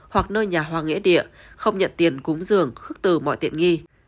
hoặc nơi nhà hoa nghệ địa không nhận tiền cúng giường khức từ mọi tiện nghi